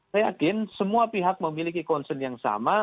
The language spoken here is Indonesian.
saya yakin semua pihak memiliki concern yang sama